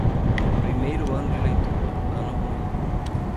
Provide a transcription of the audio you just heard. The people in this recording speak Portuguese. Primeiro ano de leitura, ano ruim.